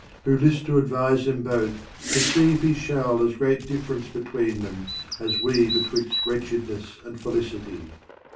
Who list to advise them both, perceive he shall As great diffrence between them, as we see Betwixt wretchedness and felicity.